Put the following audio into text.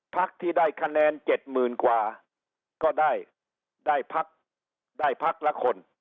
พักที่ได้คะแนนเจ็ดหมื่นกว่าก็ได้ได้พักได้พักละคน